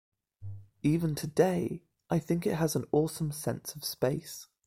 Even today, I think it has an awesome sense of space.